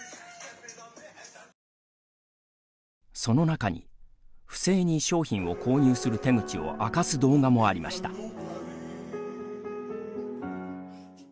その中に、不正に商品を購入する手口を明かす動画もありました。